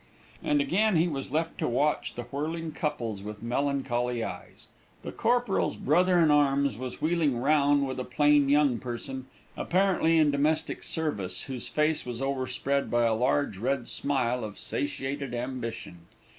And again he was left to watch the whirling couples with melancholy eyes. The corporal's brother in arms was wheeling round with a plain young person, apparently in domestic service, whose face was overspread by a large red smile of satiated ambition.